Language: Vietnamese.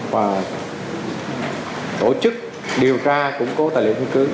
và tổ chức điều tra củng cố tài liệu chứng cứ